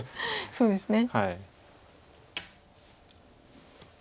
そうですね。